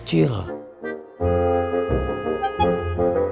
teh panggil kampungu ngambek